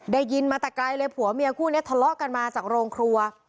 ได้ยินมาแต่ไกลเลยผัวเมียคู่นี้ทะเลาะกันมาจากโรงครัว